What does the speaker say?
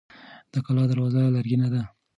د کلا دروازه لرګینه ده.